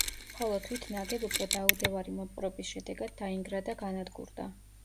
ხოლო თვით ნაგებობა დაუდევარი მოპყრობის შედეგად დაინგრა და განადგურდა.